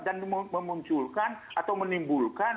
dan memunculkan atau menimbulkan